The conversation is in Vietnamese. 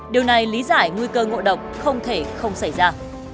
điều này lý giải nguy cơ ngộ độc không thể không xảy ra